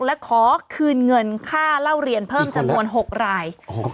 และขอคืนเงินค่าเล่าเรียนเพิ่มจำนวน๖ราย